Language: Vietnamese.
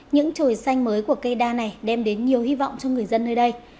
những trồi xanh mới của cây đa này đem đến nhiều hy vọng cho người dân nơi đây